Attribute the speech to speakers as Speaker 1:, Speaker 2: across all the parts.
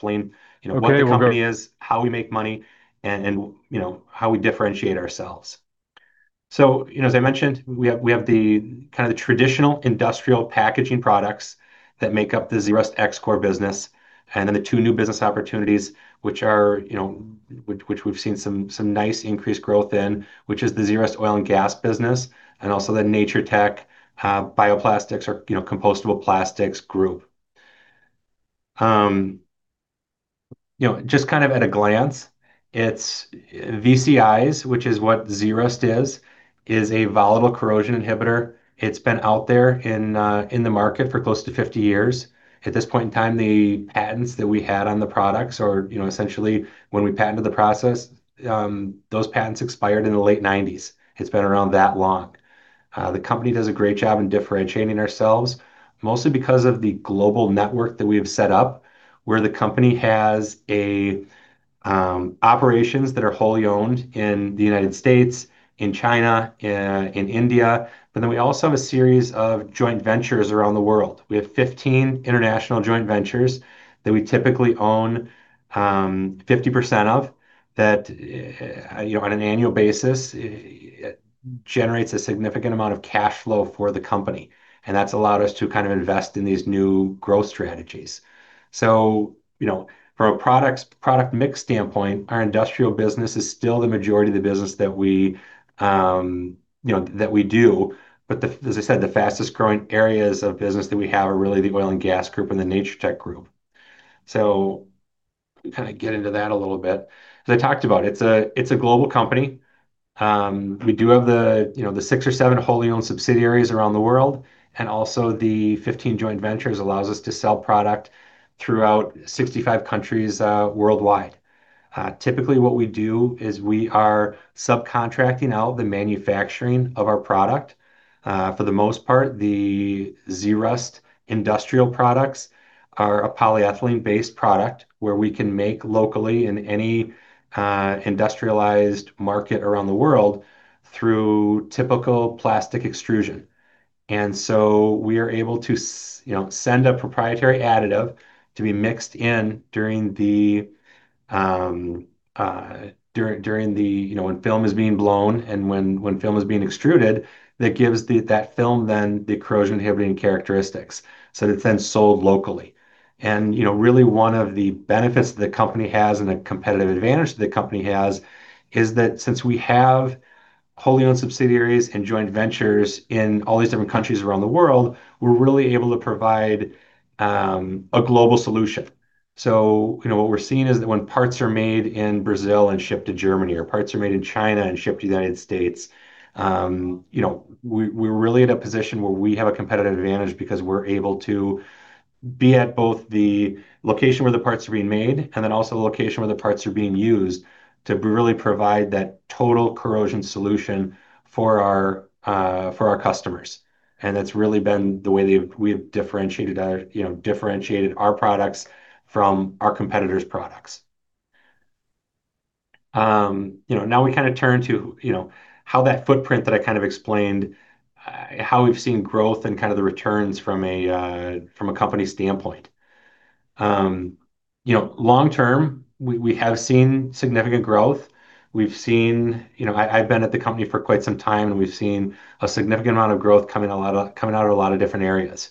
Speaker 1: Glean, you know, what the company is, how we make money, and how we differentiate ourselves. So, you know, as I mentioned, we have the kind of the traditional industrial packaging products that make up the Zerust Excor business, and then the two new business opportunities, which are, you know, which we've seen some nice increased growth in, which is the Zerust Oil & Gas business, and also the Natur-Tec Bioplastics or, you know, Compostable Plastics Group. You know, just kind of at a glance, it's VCIs, which is what Zerust is, is a volatile corrosion inhibitor. It's been out there in the market for close to 50 years. At this point in time, the patents that we had on the products, or, you know, essentially when we patented the process, those patents expired in the late 1990s. It's been around that long. The company does a great job in differentiating ourselves, mostly because of the global network that we have set up, where the company has operations that are wholly owned in the United States, in China, in India, but then we also have a series of joint ventures around the world. We have 15 international joint ventures that we typically own 50% of that, you know, on an annual basis, generates a significant amount of cash flow for the company, and that's allowed us to kind of invest in these new growth strategies, so you know, from a product mix standpoint, our industrial business is still the majority of the business that we, you know, that we do, but, as I said, the fastest growing areas of business that we have are really the oil and gas group and the Natur-Tec group. So kind of get into that a little bit. As I talked about, it's a global company. We do have the, you know, the six or seven wholly owned subsidiaries around the world, and also the 15 joint ventures allows us to sell product throughout 65 countries, worldwide. Typically what we do is we are subcontracting out the manufacturing of our product. For the most part, the Zerust industrial products are a polyethylene-based product where we can make locally in any industrialized market around the world through typical plastic extrusion, and so we are able to, you know, send a proprietary additive to be mixed in during the, you know, when film is being blown and when film is being extruded, that gives the film then the corrosion inhibiting characteristics so that it's then sold locally. You know, really one of the benefits that the company has and a competitive advantage that the company has is that since we have wholly owned subsidiaries and joint ventures in all these different countries around the world, we're really able to provide a global solution. So, you know, what we're seeing is that when parts are made in Brazil and shipped to Germany, or parts are made in China and shipped to the United States, you know, we're really in a position where we have a competitive advantage because we're able to be at both the location where the parts are being made and then also the location where the parts are being used to really provide that total corrosion solution for our customers. That's really been the way we've differentiated our products from our competitors' products. You know, now we kind of turn to, you know, how that footprint that I kind of explained, how we've seen growth and kind of the returns from a company standpoint. You know, long term, we have seen significant growth. We've seen, you know, I've been at the company for quite some time, and we've seen a significant amount of growth coming out of a lot of different areas.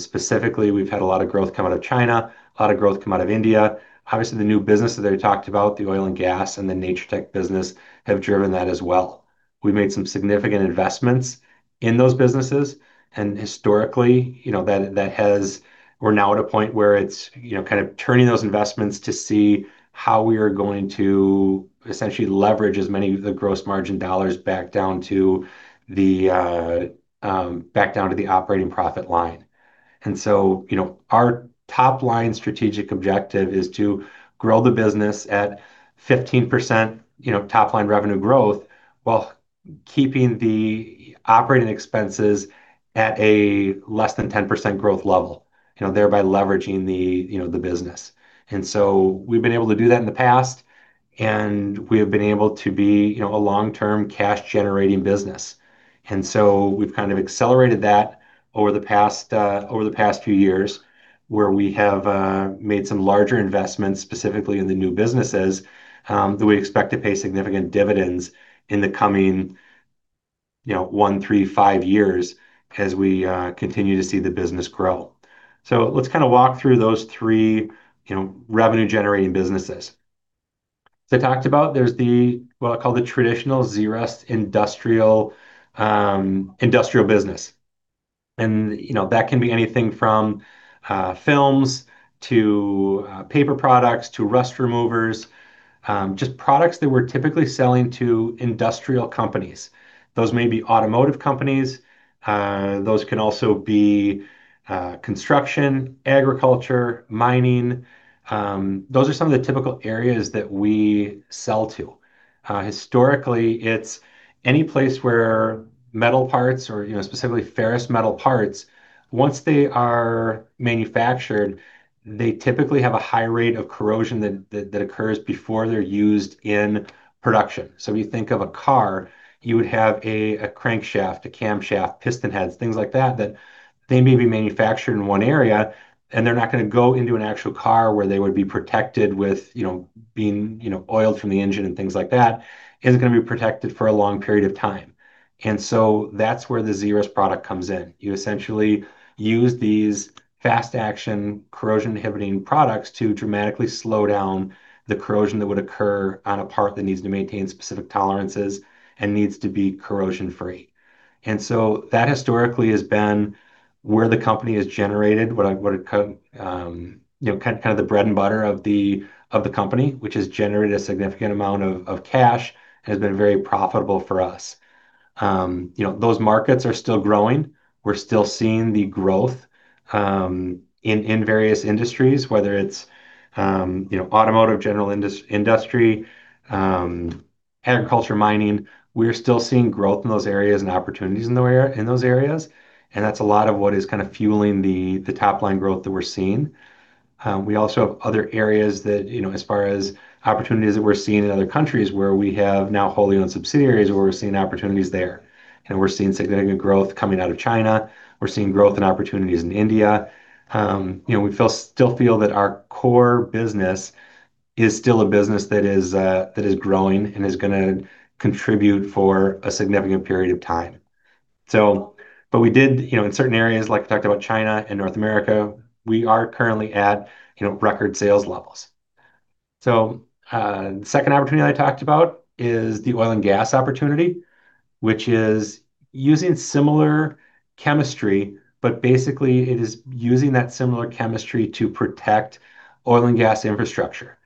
Speaker 1: Specifically, we've had a lot of growth come out of China, a lot of growth come out of India. Obviously, the new business that I talked about, the oil and gas and the Nature Tech business have driven that as well. We've made some significant investments in those businesses, and historically, you know, that has. We're now at a point where it's, you know, kind of turning those investments to see how we are going to essentially leverage as many of the gross margin dollars back down to the operating profit line. And so, you know, our top line strategic objective is to grow the business at 15%, you know, top line revenue growth while keeping the operating expenses at a less than 10% growth level, you know, thereby leveraging the, you know, the business. And so we've been able to do that in the past, and we have been able to be, you know, a long-term cash-generating business. And so we've kind of accelerated that over the past, over the past few years, where we have made some larger investments specifically in the new businesses that we expect to pay significant dividends in the coming, you know, one, three, five years as we continue to see the business grow. So let's kind of walk through those three, you know, revenue-generating businesses. As I talked about, there's the what I call the traditional Zerust industrial, industrial business. And, you know, that can be anything from films to paper products to rust removers, just products that we're typically selling to industrial companies. Those may be automotive companies. Those can also be construction, agriculture, mining. Those are some of the typical areas that we sell to. Historically, it's any place where metal parts or, you know, specifically ferrous metal parts, once they are manufactured, they typically have a high rate of corrosion that occurs before they're used in production. So if you think of a car, you would have a crankshaft, a camshaft, piston heads, things like that, that they may be manufactured in one area, and they're not going to go into an actual car where they would be protected with, you know, being, you know, oiled from the engine and things like that, isn't going to be protected for a long period of time. That's where the Zerust product comes in. You essentially use these fast-action corrosion-inhibiting products to dramatically slow down the corrosion that would occur on a part that needs to maintain specific tolerances and needs to be corrosion-free. That historically has been where the company has generated what it could, you know, kind of the bread and butter of the company, which has generated a significant amount of cash and has been very profitable for us. You know, those markets are still growing. We're still seeing the growth in various industries, whether it's, you know, automotive, general industry, agriculture, mining. We're still seeing growth in those areas and opportunities in those areas. That's a lot of what is kind of fueling the top line growth that we're seeing. We also have other areas that, you know, as far as opportunities that we're seeing in other countries where we have now wholly owned subsidiaries, where we're seeing opportunities there. We're seeing significant growth coming out of China. We're seeing growth and opportunities in India. You know, we still feel that our core business is still a business that is growing and is going to contribute for a significant period of time. So, but we did, you know, in certain areas, like we talked about China and North America, we are currently at, you know, record sales levels. So, the second opportunity I talked about is the oil and gas opportunity, which is using similar chemistry, but basically it is using that similar chemistry to protect oil and gas infrastructure.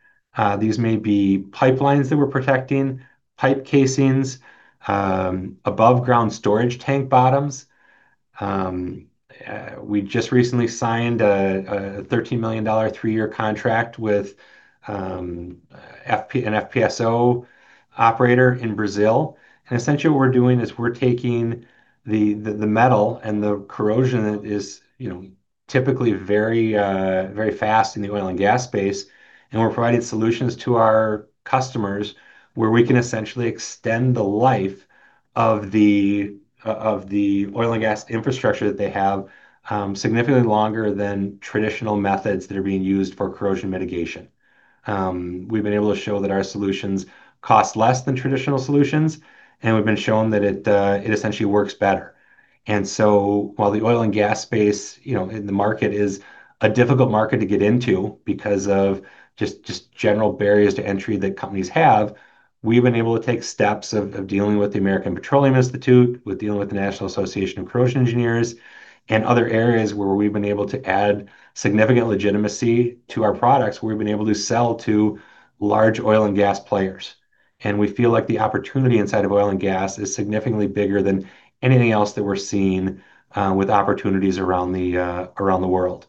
Speaker 1: These may be pipelines that we're protecting, pipe casings, above-ground storage tank bottoms. We just recently signed a $13 million three-year contract with an FPSO operator in Brazil. Essentially what we're doing is we're taking the metal and the corrosion that is, you know, typically very, very fast in the oil and gas space, and we're providing solutions to our customers where we can essentially extend the life of the oil and gas infrastructure that they have, significantly longer than traditional methods that are being used for corrosion mitigation. We've been able to show that our solutions cost less than traditional solutions, and we've been shown that it essentially works better. While the oil and gas space, you know, in the market is a difficult market to get into because of just general barriers to entry that companies have, we've been able to take steps of dealing with the American Petroleum Institute, with dealing with the National Association of Corrosion Engineers, and other areas where we've been able to add significant legitimacy to our products where we've been able to sell to large oil and gas players. We feel like the opportunity inside of oil and gas is significantly bigger than anything else that we're seeing, with opportunities around the world.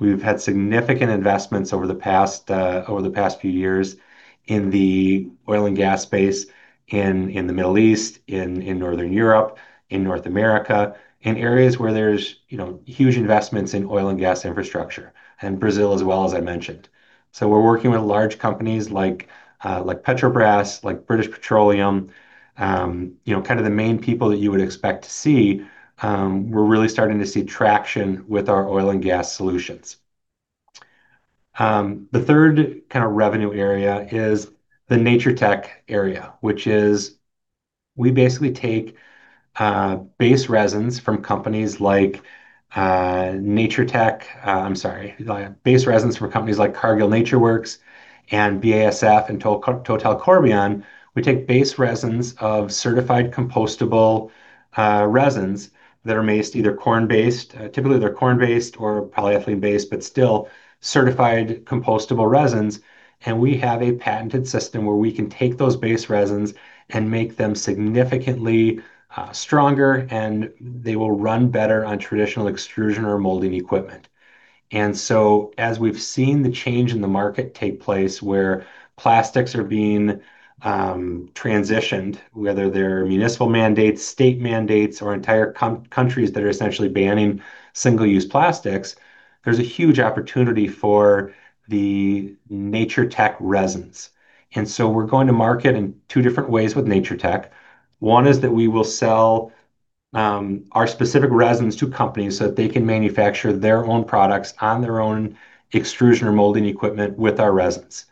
Speaker 1: We've had significant investments over the past few years in the oil and gas space in the Middle East, in Northern Europe, in North America, in areas where there's, you know, huge investments in oil and gas infrastructure and Brazil as well, as I mentioned. So we're working with large companies like Petrobras, like British Petroleum, you know, kind of the main people that you would expect to see. We're really starting to see traction with our oil and gas solutions. The third kind of revenue area is the Natur-Tec area, which is we basically take base resins from companies like Cargill NatureWorks and BASF and Total Corbion. We take base resins of certified compostable resins that are made either corn-based, typically they're corn-based or polyethylene-based, but still certified compostable resins. And we have a patented system where we can take those base resins and make them significantly stronger, and they will run better on traditional extrusion or molding equipment. And so as we've seen the change in the market take place where plastics are being transitioned, whether they're municipal mandates, state mandates, or entire countries that are essentially banning single-use plastics, there's a huge opportunity for the Natur-Tec resins. And so we're going to market in two different ways with Natur-Tec. One is that we will sell our specific resins to companies so that they can manufacture their own products on their own extrusion or molding equipment with our resins.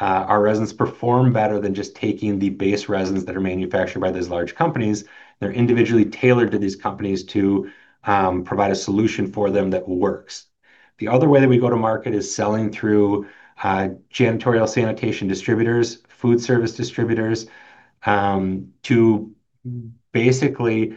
Speaker 1: Our resins perform better than just taking the base resins that are manufactured by these large companies. They're individually tailored to these companies to provide a solution for them that works. The other way that we go to market is selling through janitorial sanitation distributors, food service distributors, to basically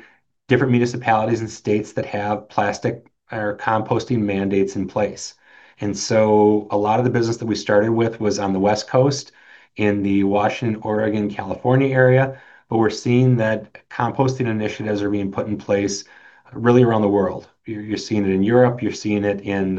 Speaker 1: different municipalities and states that have plastic or composting mandates in place. And so a lot of the business that we started with was on the West Coast in the Washington, Oregon, California area, but we're seeing that composting initiatives are being put in place really around the world. You're seeing it in Europe. You're seeing it in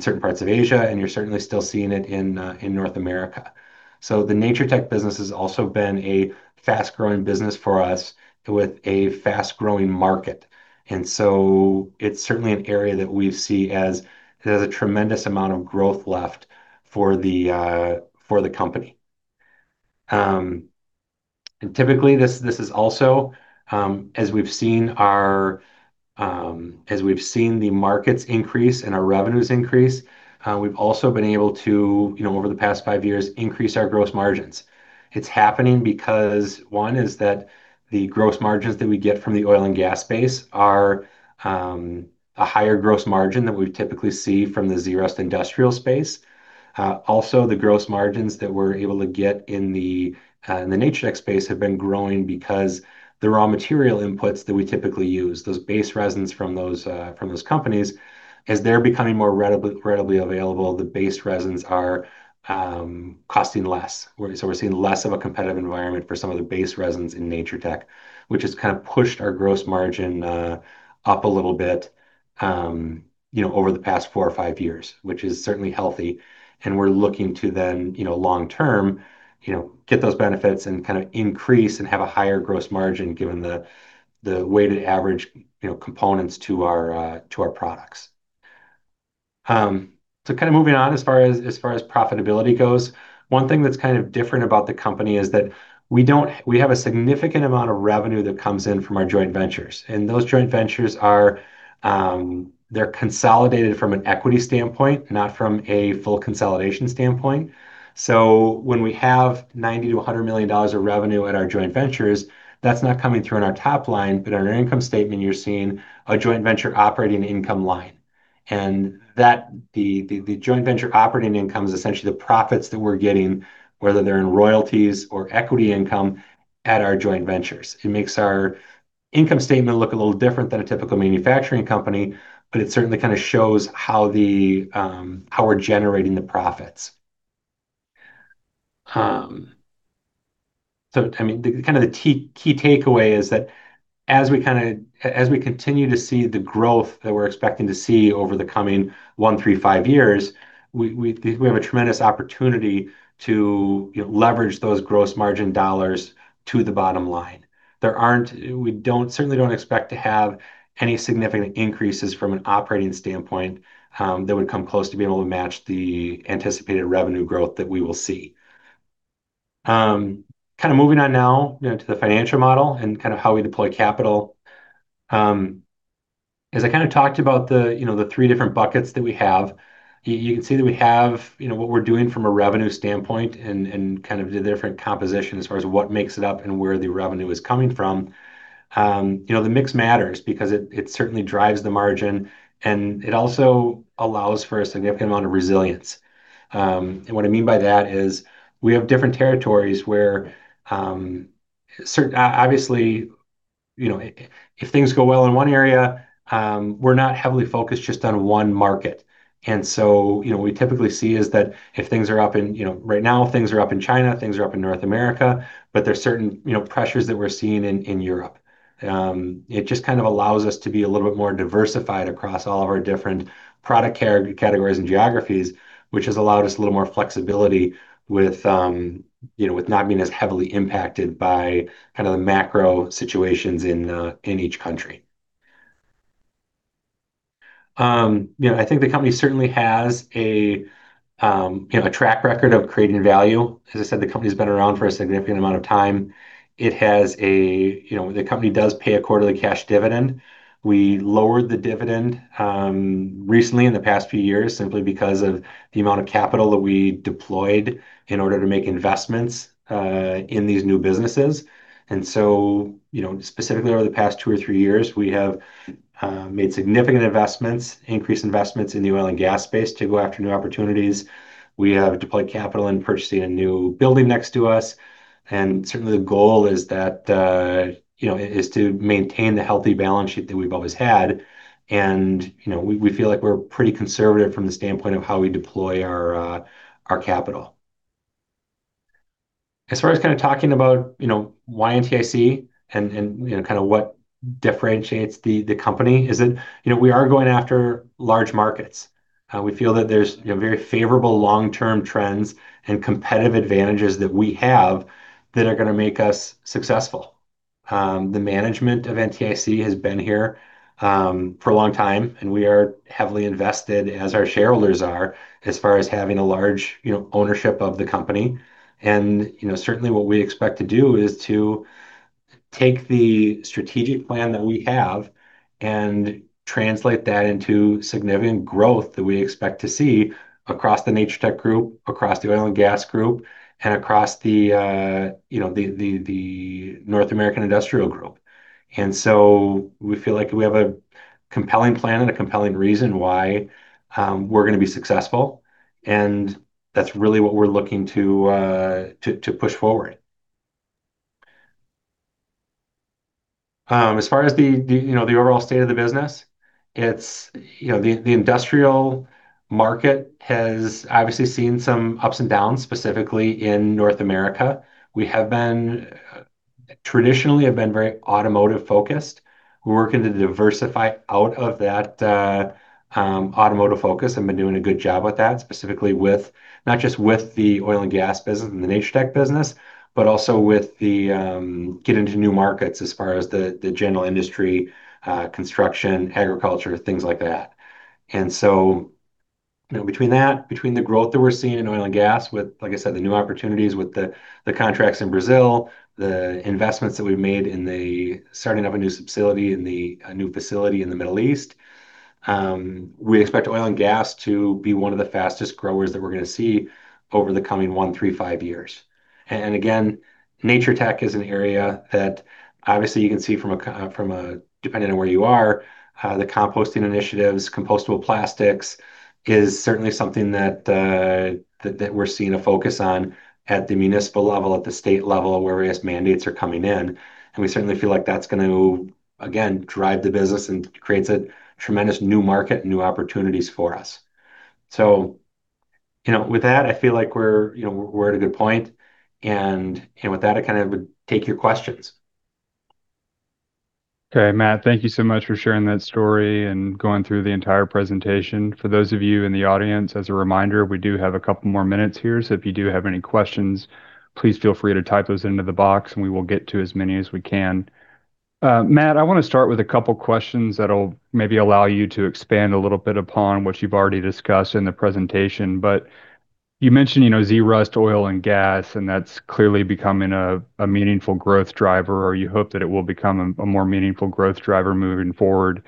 Speaker 1: certain parts of Asia, and you're certainly still seeing it in North America, so the Natur-Tec business has also been a fast-growing business for us with a fast-growing market. And so it's certainly an area that we see as there's a tremendous amount of growth left for the company. And typically this is also, as we've seen the markets increase and our revenues increase, we've also been able to, you know, over the past five years, increase our gross margins. It's happening because one is that the gross margins that we get from the oil and gas space are a higher gross margin than we typically see from the Zerust industrial space. Also, the gross margins that we're able to get in the Natur-Tec space have been growing because the raw material inputs that we typically use, those base resins from those companies, as they're becoming more readily available, the base resins are costing less. So we're seeing less of a competitive environment for some of the base resins in Natur-Tec, which has kind of pushed our gross margin up a little bit, you know, over the past four or five years, which is certainly healthy. And we're looking to then, you know, long term, you know, get those benefits and kind of increase and have a higher gross margin given the weighted average, you know, components to our, to our products. So kind of moving on as far as profitability goes, one thing that's kind of different about the company is that we have a significant amount of revenue that comes in from our joint ventures. And those joint ventures are, they're consolidated from an equity standpoint, not from a full consolidation standpoint. So when we have $90-$100 million of revenue at our joint ventures, that's not coming through in our top line, but on our income statement, you're seeing a joint venture operating income line. And that the joint venture operating income is essentially the profits that we're getting, whether they're in royalties or equity income at our joint ventures. It makes our income statement look a little different than a typical manufacturing company, but it certainly kind of shows how the, how we're generating the profits. I mean, the kind of key takeaway is that as we kind of continue to see the growth that we're expecting to see over the coming one, three, five years, we have a tremendous opportunity to, you know, leverage those gross margin dollars to the bottom line. We certainly don't expect to have any significant increases from an operating standpoint that would come close to being able to match the anticipated revenue growth that we will see. Kind of moving on now, you know, to the financial model and kind of how we deploy capital. As I kind of talked about, you know, the three different buckets that we have, you can see that we have, you know, what we're doing from a revenue standpoint and kind of the different composition as far as what makes it up and where the revenue is coming from. You know, the mix matters because it certainly drives the margin, and it also allows for a significant amount of resilience. And what I mean by that is we have different territories where, certain obviously, you know, if things go well in one area, we're not heavily focused just on one market. And so, you know, we typically see is that if things are up in, you know, right now, things are up in China, things are up in North America, but there's certain, you know, pressures that we're seeing in Europe. It just kind of allows us to be a little bit more diversified across all of our different product categories and geographies, which has allowed us a little more flexibility with, you know, with not being as heavily impacted by kind of the macro situations in each country. You know, I think the company certainly has a, you know, a track record of creating value. As I said, the company's been around for a significant amount of time. It has, you know, the company does pay a quarterly cash dividend. We lowered the dividend recently in the past few years simply because of the amount of capital that we deployed in order to make investments in these new businesses, and so, you know, specifically over the past two or three years, we have made significant investments, increased investments in the oil and gas space to go after new opportunities. We have deployed capital in purchasing a new building next to us, and certainly the goal is that, you know, is to maintain the healthy balance sheet that we've always had, and, you know, we feel like we're pretty conservative from the standpoint of how we deploy our capital. As far as kind of talking about, you know, why NTIC and, you know, kind of what differentiates the company is that, you know, we are going after large markets. We feel that there's, you know, very favorable long-term trends and competitive advantages that we have that are going to make us successful. The management of NTIC has been here for a long time, and we are heavily invested as our shareholders are as far as having a large, you know, ownership of the company. You know, certainly what we expect to do is to take the strategic plan that we have and translate that into significant growth that we expect to see across the Nature Tech Group, across the oil and gas group, and across the, you know, the North American Industrial Group. And so we feel like we have a compelling plan and a compelling reason why we're going to be successful. And that's really what we're looking to push forward. As far as the, you know, the overall state of the business, it's, you know, the industrial market has obviously seen some ups and downs specifically in North America. We have traditionally been very automotive focused. We're working to diversify out of that automotive focus and been doing a good job with that specifically with not just the oil and gas business and the Natur-Tec business, but also with getting into new markets as far as the general industry, construction, agriculture, things like that. And so, you know, between that, between the growth that we're seeing in oil and gas with, like I said, the new opportunities with the contracts in Brazil, the investments that we've made in starting up a new subsidiary in a new facility in the Middle East, we expect oil and gas to be one of the fastest growers that we're going to see over the coming one, three, five years. And again, Nature Tech is an area that obviously you can see from a depending on where you are, the composting initiatives, compostable plastics is certainly something that we're seeing a focus on at the municipal level, at the state level where various mandates are coming in. And we certainly feel like that's going to, again, drive the business and creates a tremendous new market and new opportunities for us. So, you know, with that, I feel like we're, you know, we're at a good point. And with that, I kind of would take your questions. Okay, Matt, thank you so much for sharing that story and going through the entire presentation. For those of you in the audience, as a reminder, we do have a couple more minutes here. So if you do have any questions, please feel free to type those into the box and we will get to as many as we can. Matt, I want to start with a couple questions that'll maybe allow you to expand a little bit upon what you've already discussed in the presentation. But you mentioned, you know, Zerust Oil & Gas, and that's clearly becoming a meaningful growth driver, or you hope that it will become a more meaningful growth driver moving forward.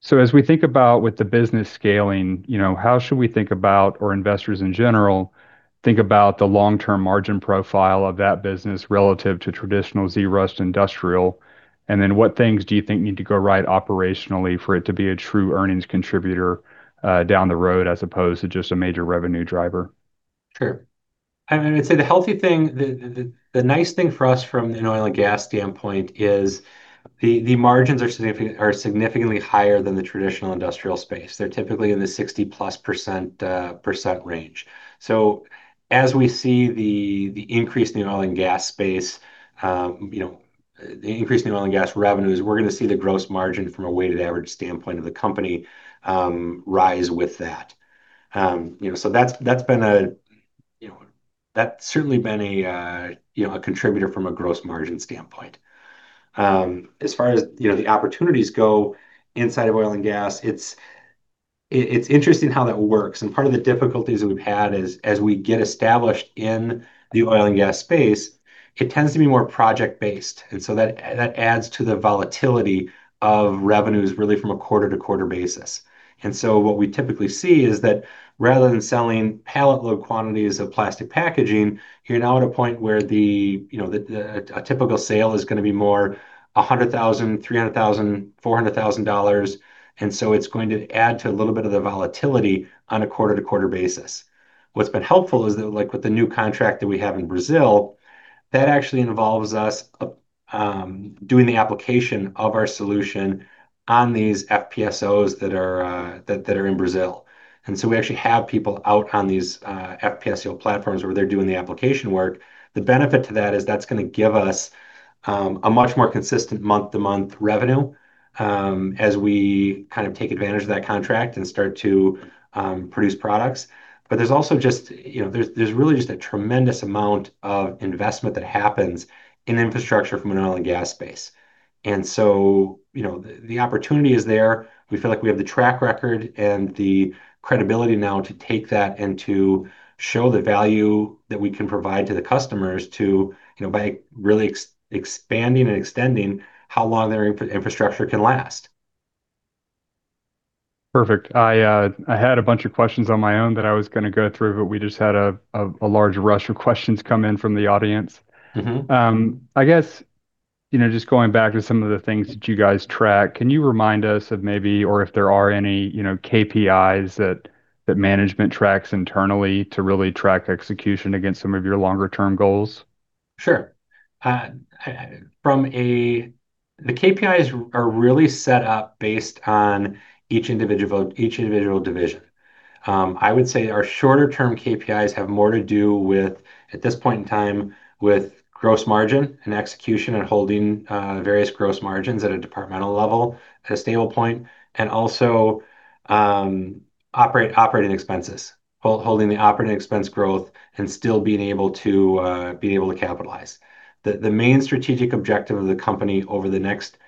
Speaker 1: So as we think about with the business scaling, you know, how should we think about, or investors in general, think about the long-term margin profile of that business relative to traditional Zerust industrial? And then what things do you think need to go right operationally for it to be a true earnings contributor, down the road as opposed to just a major revenue driver? Sure. I mean, I'd say the healthy thing, the nice thing for us from an oil and gas standpoint is the margins are significantly higher than the traditional industrial space. They're typically in the 60-plus% range. So as we see the increase in the oil and gas space, you know, the increase in the oil and gas revenues, we're going to see the gross margin from a weighted average standpoint of the company, rise with that. You know, so that's been a, you know, that's certainly been a, you know, a contributor from a gross margin standpoint. As far as, you know, the opportunities go inside of oil and gas, it's interesting how that works. And part of the difficulties that we've had is as we get established in the oil and gas space, it tends to be more project-based. And so that adds to the volatility of revenues really from a quarter-to-quarter basis. And so what we typically see is that rather than selling pallet-load quantities of plastic packaging, you're now at a point where the, you know, the typical sale is going to be more $100,000, $300,000, $400,000. And so it's going to add to a little bit of the volatility on a quarter-to-quarter basis. What's been helpful is that, like with the new contract that we have in Brazil, that actually involves us doing the application of our solution on these FPSOs that are in Brazil. And so we actuallypeople out on these FPSO platforms where they're doing the application work. The benefit to that is that's going to give us a much more consistent month-to-month revenue, as we kind of take advantage of that contract and start to produce products. But there's also just, you know, there's really just a tremendous amount of investment that happens in infrastructure from an oil and gas space. And so, you know, the opportunity is there. We feel like we have the track record and the credibility now to take that and to show the value that we can provide to the customers to, you know, by really expanding and extending how long their infrastructure can last. Perfect. I had a bunch of questions on my own that I was going to go through, but we just had a large rush of questions come in from the audience. Mm-hmm. I guess, you know, just going back to some of the things that you guys track, can you remind us of maybe, or if there are any, you know, KPIs that management tracks internally to really track execution against some of your longer-term goals? Sure. From a, the KPIs are really set up based on each individual division. I would say our shorter-term KPIs have more to do with, at this point in time, with gross margin and execution and holding various gross margins at a departmental level at a stable point, and also operating expenses, holding the operating expense growth and still being able to capitalize. The main strategic objective of the company over the next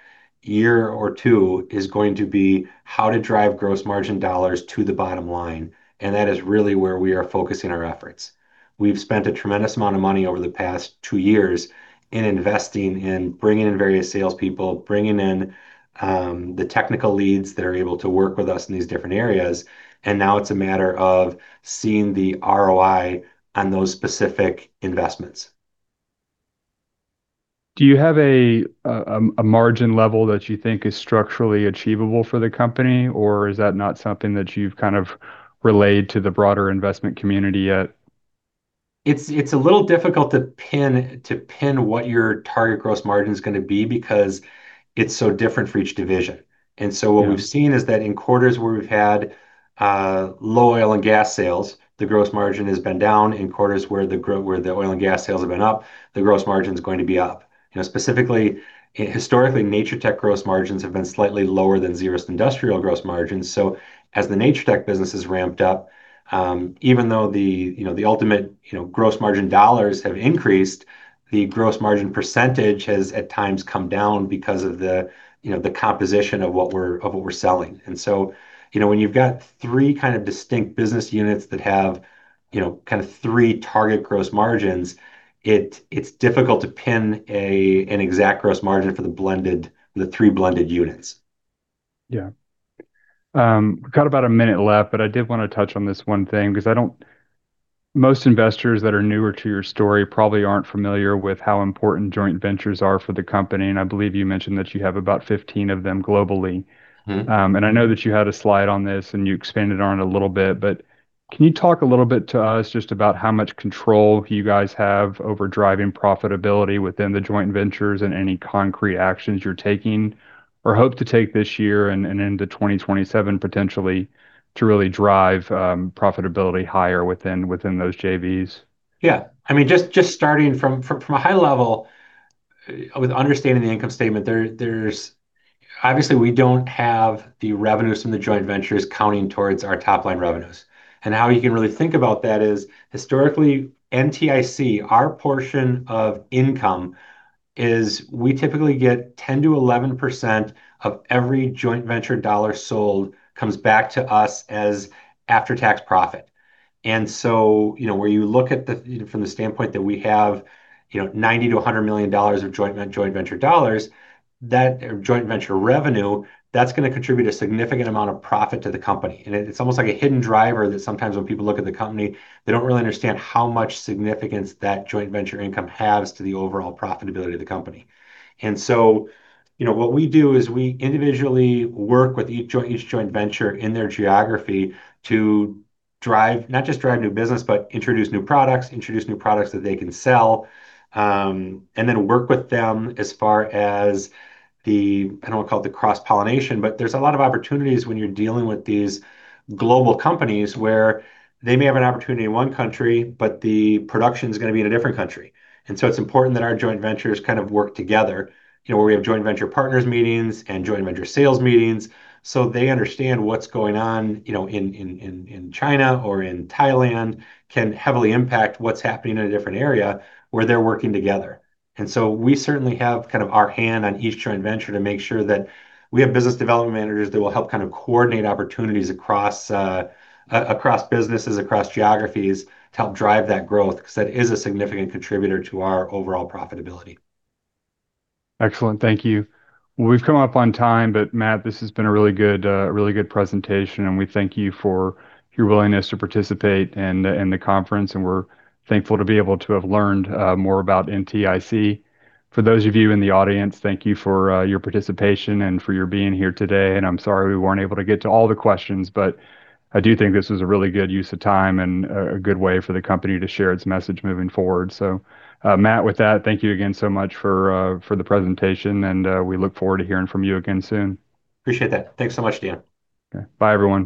Speaker 1: year or two is going to be how to drive gross margin dollars to the bottom line, and that is really where we are focusing our efforts. We've spent a tremendous amount of money over the past two years in investing in bringing in various salespeople, bringing in the technical leads that are able to work with us in these different areas, and now it's a matter of seeing the ROI on those specific investments. Do you have a margin level that you think is structurally achievable for the company, or is that not something that you've kind of relayed to the broader investment community yet? It's a little difficult to pin what your target gross margin is going to be because it's so different for each division. And so what we've seen is that in quarters where we've had low oil and gas sales, the gross margin has been down. In quarters where the oil and gas sales have been up, the gross margin is going to be up. You know, specifically, historically, Natur-Tec gross margins have been slightly lower than Zerust industrial gross margins. So as the Natur-Tec business has ramped up, even though the, you know, the ultimate, you know, gross margin dollars have increased, the gross margin percentage has at times come down because of the, you know, the composition of what we're selling. And so, you know, when you've got three kind of distinct business units that have, you know, kind of three target gross margins, it's difficult to pin an exact gross margin for the blended three units. Yeah. We've got about a minute left, but I did want to touch on this one thing because I don't most investors that are newer to your story probably aren't familiar with how important joint ventures are for the company. And I believe you mentioned that you have about 15 of them globally. And I know that you had a slide on this and you expanded on it a little bit, but can you talk a little bit to us just about how much control you guys have over driving profitability within the joint ventures and any concrete actions you're taking or hope to take this year and into 2027 potentially to really drive profitability higher within those JVs? Yeah. I mean, just starting from a high level, with understanding the income statement, there's obviously we don't have the revenues from the joint ventures counting towards our top line revenues. And how you can really think about that is historically, NTIC, our portion of income is we typically get 10%-11% of every joint venture dollar sold comes back to us as after-tax profit. And so, you know, where you look at from the standpoint that we have, you know, $90-$100 million of joint venture dollars, that joint venture revenue, that's going to contribute a significant amount of profit to the company. And it's almost like a hidden driver that sometimes when people look at the company, they don't really understand how much significance that joint venture income has to the overall profitability of the company. And so, you know, what we do is we individually work with each joint venture in their geography to drive not just new business, but introduce new products that they can sell, and then work with them as far as the, I don't want to call it the cross-pollination, but there's a lot of opportunities when you're dealing with these global companies where they may have an opportunity in one country, but the production is going to be in a different country. And so it's important that our joint ventures kind of work together, you know, where we have joint venture partners meetings and joint venture sales meetings so they understand what's going on, you know, in China or in Thailand can heavily impact what's happening in a different area where they're working together. We certainly have kind of our hand on each joint venture to make sure that we have business development managers that will help kind of coordinate opportunities across businesses, across geographies to help drive that growth because that is a significant contributor to our overall profitability. Excellent. Thank you. We've come up on time, but Matt, this has been a really good, really good presentation, and we thank you for your willingness to participate in the conference, and we're thankful to be able to have learned more about NTIC. For those of you in the audience, thank you for your participation and for your being here today. I'm sorry we weren't able to get to all the questions, but I do think this was a really good use of time and a good way for the company to share its message moving forward. So, Matt, with that, thank you again so much for the presentation, and we look forward to hearing from you again soon. Appreciate that. Thanks so much, Dan. Okay. Bye, everyone.